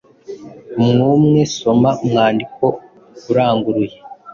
Umwumwe soma umwandiko uranguruye,